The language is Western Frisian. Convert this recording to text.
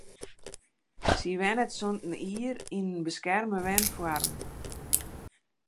Sy wennet sûnt in jier yn in beskerme wenfoarm.